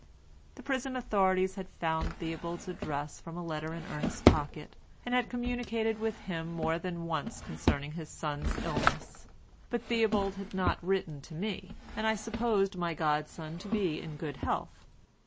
The prison authorities had found Theobald's address from a letter in Ernest's pocket, and had communicated with him more than once concerning his son's illness, but Theobald had not written to me, and I supposed my godson to be in good health.